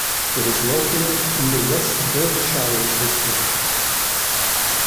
It is located in the West Berkshire district.